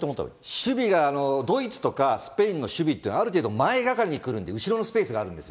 守備が、ドイツとかスペインの守備ってある程度前がかりにくるんで、後ろのスペースがあるんです。